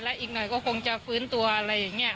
อีกหน่อยก็คงจะฟื้นตัวอะไรอย่างนี้